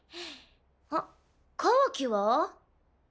あっカワキは？